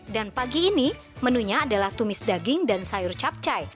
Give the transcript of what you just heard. dan pagi ini menunya adalah tumis daging dan sayur capcay